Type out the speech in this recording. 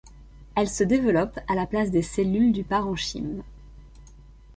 Elle se développe à la place des cellules du parenchyme.